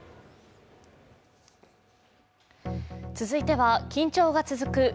続いては緊張が続く